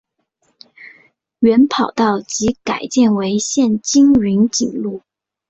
原跑道即改建为现今云锦路。